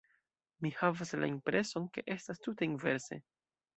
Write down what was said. Mi havas la impreson, ke estas tute inverse.